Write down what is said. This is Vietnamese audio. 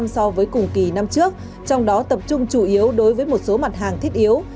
so với cùng kỳ năm trước trong đó tập trung chủ yếu đối với một số mặt hàng thiết yếu